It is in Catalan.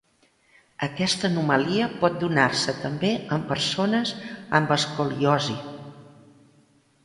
Aquesta anomalia pot donar-se també en persones amb escoliosi.